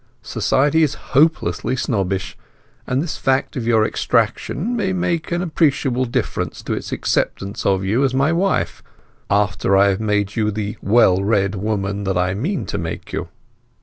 Society is hopelessly snobbish, and this fact of your extraction may make an appreciable difference to its acceptance of you as my wife, after I have made you the well read woman that I mean to make you.